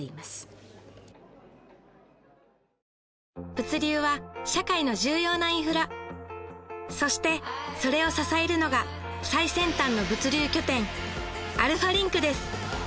物流は社会の重要なインフラそしてそれを支えるのが最先端の物流拠点アルファリンクです